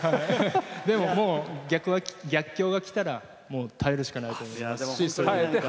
でも、逆境がきたら耐えるしかないと思います。